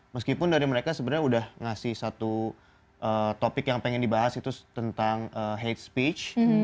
meskipun dari mereka sebenarnya udah ngasih satu topik yang pengen dibahas itu tentang hate speech